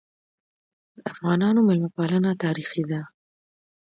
د افغانانو مېلمه پالنه تاریخي ده.